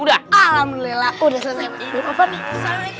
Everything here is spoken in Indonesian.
alhamdulillah udah selesai